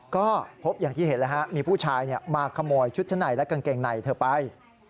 ก็พบอย่างที่เห็นแล้วฮะมีผู้ชายมาขโมยชุดชั้นในและกางเกงในเธอไป